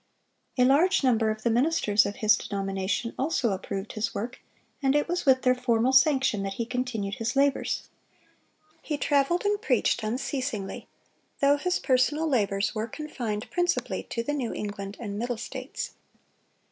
A large number of the ministers of his denomination also approved his work, and it was with their formal sanction that he continued his labors. He traveled and preached unceasingly, though his personal labors were confined principally to the New England and Middle States.